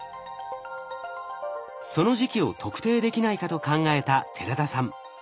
その時期を特定できないかと考えた寺田さん。